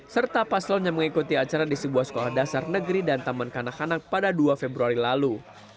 serta paslon yang mengikuti acara di sebuah sekolah dasar negeri dan taman kanak kanak pada dua februari lalu